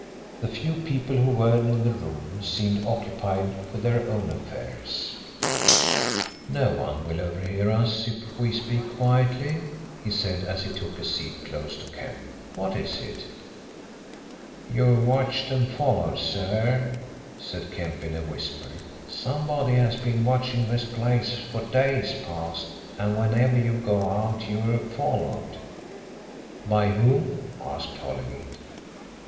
The few people who were in the room seemed occupied with their own affairs. "No one will overhear us if we speak quietly," he said as he took a seat close to Kemp. "What is it?" "You're watched and followed, sir," said Kemp in a whisper. "Somebody has been watching this place for days past and whenever you go out you're followed." "By whom?" asked Holymead.